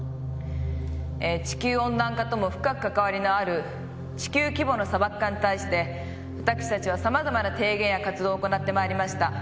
え地球温暖化とも深く関わりのある地球規模の砂漠化に対して私たちは様々な提言や活動を行ってまいりました。